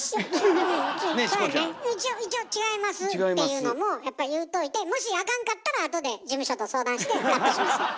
うん一応違いますっていうのもやっぱ言うといてもしあかんかったらあとで事務所と相談してカットしましょ。